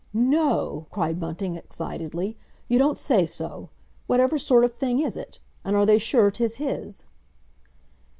"No?" cried Bunting excitedly. "You don't say so! Whatever sort of a thing is it? And are they sure 'tis his?"